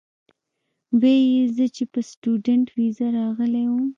وې ئې زۀ چې پۀ سټوډنټ ويزا راغلی ووم